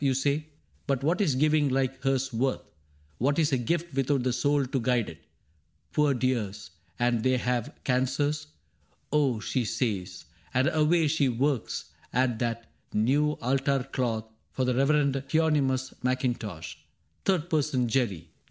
You say ; but what is giving like hers worth ? What is a gift without the soul to guide it ?" Poor dears, and they have cancers ?— Oh !" she says ; And away she works at that new altar cloth For the Reverend Hieronymus Mackintosh — Third person, Jerry.